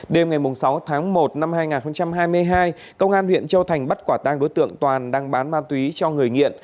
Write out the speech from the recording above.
đêm ngày sáu tháng một năm hai nghìn hai mươi hai công an huyện châu thành bắt quả tang đối tượng toàn đang bán ma túy cho người nghiện